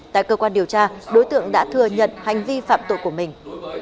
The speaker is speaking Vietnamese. tại cơ quan điều tra đối tượng đã thừa nhận hành vi phạm tội của mình